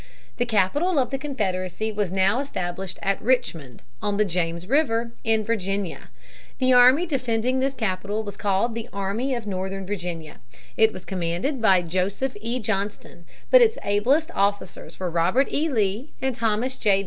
The capital of the Confederacy was now established at Richmond, on the James River, in Virginia. The army defending this capital was called the Army of Northern Virginia. It was commanded by Joseph E. Johnston; but its ablest officers were Robert E. Lee and Thomas J.